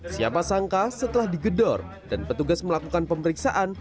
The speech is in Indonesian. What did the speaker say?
siapa sangka setelah digedor dan petugas melakukan pemeriksaan